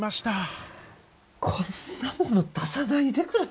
こんなもの出さないでくれ。